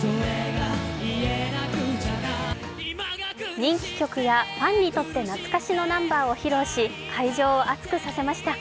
人気曲やファンにとって懐かしのナンバーを披露し、会場を熱くさせました。